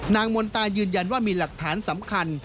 มนตายืนยันว่ามีหลักฐานสำคัญ